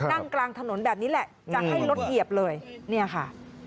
นั่งกลางถนนแบบนี้แหละจะให้รถเหยียบเลยเนี่ยค่ะ